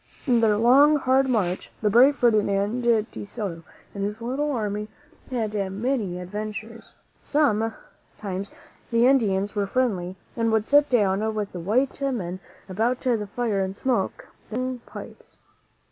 In their long, hard march, the brave Ferdi nand de Soto and his little army had many adven tures. Sometimes the Indians were friendly and would sit down with the white men about the fire and smoke their long pipes.